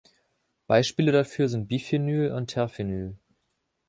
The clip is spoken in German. Beispiele dafür sind Biphenyl und Terphenyl.